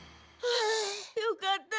よかった。